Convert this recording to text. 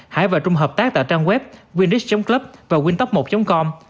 hải và trung hợp tác tại trang web windix club và windtop một com